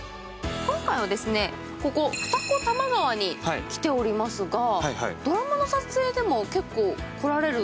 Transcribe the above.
今回はここ二子玉川に来ておりますが、ドラマの撮影でも結構、来られる？